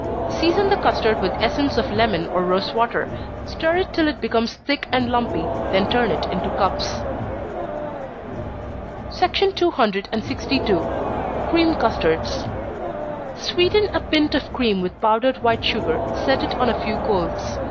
Season the custard with essence of lemon or rosewater stir it till it becomes thick and lumpy, then turn it into cups. 262. Cream Custards. Sweeten a pint of cream with powdered white sugar set it on a few coals.